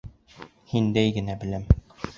Һиндәй генә беләм!